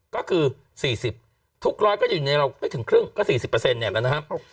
ก็คือ๔๐ทุกร้อยก็อยู่ในเราไม่ถึงครึ่งก็๔๐เนี่ยแล้วนะครับ